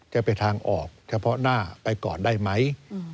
จะเป็นทางออกเฉพาะหน้าไปก่อนได้ไหม